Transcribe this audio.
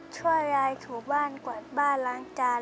ช่วยยายถูบ้านกวาดบ้านล้างจาน